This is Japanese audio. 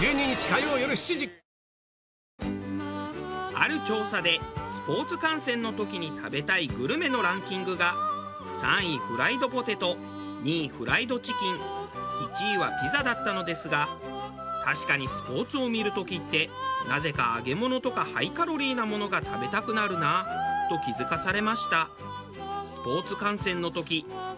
ある調査でスポーツ観戦の時に食べたいグルメのランキングが３位フライドポテト２位フライドチキン１位はピザだったのですが確かにスポーツを見る時ってなぜか揚げ物とかハイカロリーなものが食べたくなるなと気付かされました。